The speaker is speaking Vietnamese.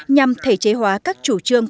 nhằm thể chế hóa các chủ trương